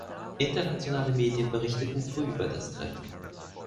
Internationale Medien berichteten früh über das Treffen.